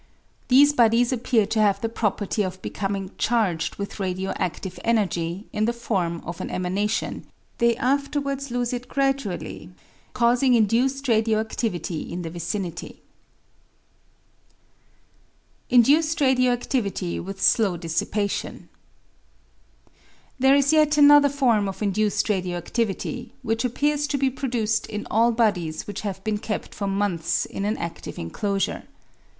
These bodies appear to have the property of becoming charged with radio adive energy in the form of an emanation ; they afterwards lose it gradually, causing induced radio adivity in the vicinity. Induced Radio activity with Slow Dissipation. There is yet another form of induced radio adivity, which appears to be produced in all bodies which have been kept for months in an adive enclosure.